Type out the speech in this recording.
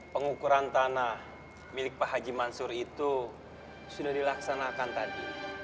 pengukuran tanah milik pak haji mansur itu sudah dilaksanakan tadi